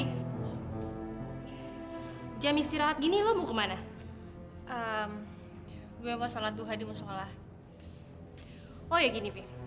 hai fie jam istirahat gini lu kemana gue mau salat duhadi musnah lah oh ya gini